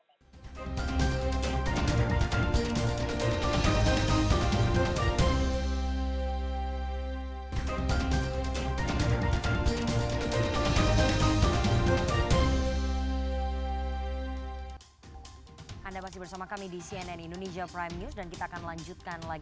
sampai jumpa di video selanjutnya